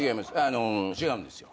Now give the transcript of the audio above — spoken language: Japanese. あの違うんですよ。